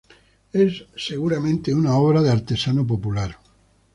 Es seguramente una obra de un artesano popular.